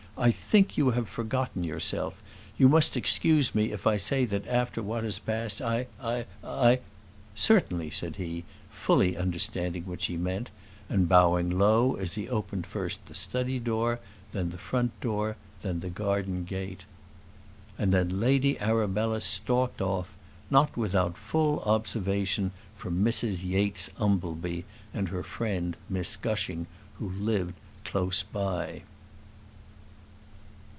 "I think you have forgotten yourself. You must excuse me if I say that after what has passed I I I " "Certainly," said he, fully understanding what she meant; and bowing low as he opened first the study door, then the front door, then the garden gate. And then Lady Arabella stalked off, not without full observation from Mrs Yates Umbleby and her friend Miss Gushing, who lived close by.